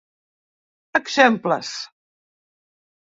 Exemples: